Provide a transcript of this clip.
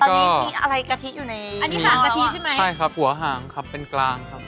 ตอนนี้มีอะไรกะทิอยู่ในอันนี้หางกะทิใช่ไหมใช่ครับหัวหางครับเป็นกลางครับ